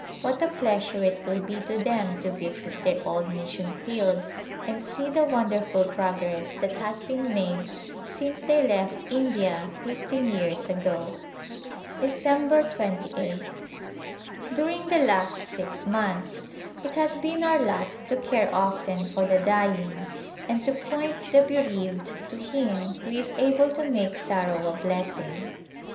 What a pleasure it will be to them to visit their old mission field and see the wonderful progress that has been made since they left India fifteen years ago. December 28th. During the last six months it has been our lot to care often for the dying and to point the bereaved to Him who is able to make sorrow a blessing.